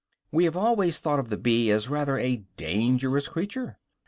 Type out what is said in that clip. We have always thought of the bee as rather a dangerous creature.